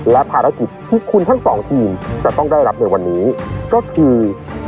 และภารกิจที่คุณทั้งสองทีมจะต้องได้รับในวันนี้ก็คือ